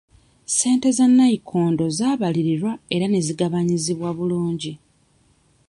Ssente za nnayikondo zaabalirirwa era ne zigabanyizibwa bulungi.